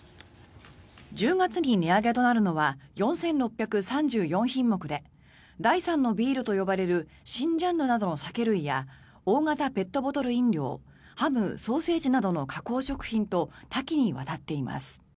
１０月に値上げとなるのは４６３４品目で第３のビールと呼ばれる新ジャンルなどの酒類や大型ペットボトル飲料ハム・ソーセージなどの加工食品と多岐にわたっています。